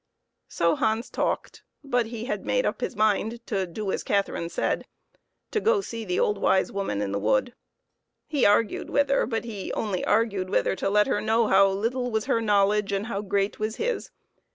So Hans talked, but he had made up his mind to do as Catherine said, to go and see the old wise woman in the wood. He argued with her, but he only argued with her to let her know how little was her knowledge and how great was his.